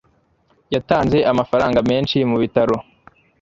yatanze amafaranga menshi mubitaro